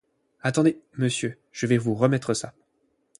Attendez, messieurs, je vais vous remettre ça.